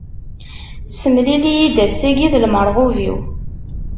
Ssemlil-iyi-d ass-agi d lmerɣub-iw.